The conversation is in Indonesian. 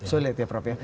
sulit ya prof ya